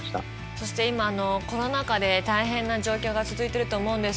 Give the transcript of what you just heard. そして今コロナ禍で大変な状況が続いてると思うんですけども。